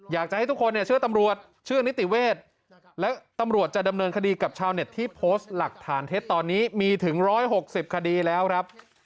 อยากจะให้ทุกคนเนี่ยเชื่อตำรวจเชื่อนิติเวทและตำรวจจะดำเนินคดีกับชาวเน็ตที่โพสต์หลักฐานเท็จตอนนี้มีถึง๑๖๐คดีแล้วครับ